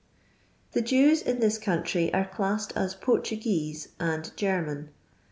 Thb Jews in this country are cUtfsed as " Por tngnese " and " Qerman."